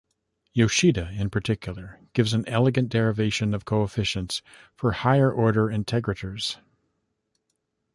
Yoshida, in particular, gives an elegant derivation of coefficients for higher-order integrators.